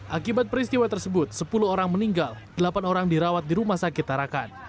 akibat peristiwa tersebut sepuluh orang meninggal delapan orang dirawat di rumah sakit tarakan